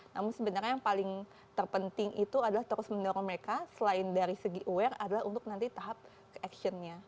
namun sebenarnya yang paling terpenting itu adalah terus mendorong mereka selain dari segi aware adalah untuk nanti tahap actionnya